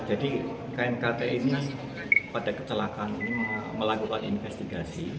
knkt ini kan pada kecelakaan ini melakukan investigasi